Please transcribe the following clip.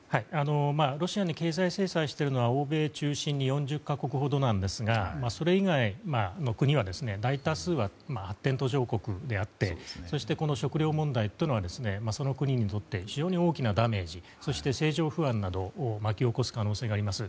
ロシアの経済制裁をしているのは欧米中心に４０か国ほどなんですがそれ以外の国は大多数は発展途上国であって食料問題というのはその国にとって非常に大きなダメージそして、政情不安などを巻き起こす可能性があります。